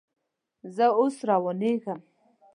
زه اوس روانېږم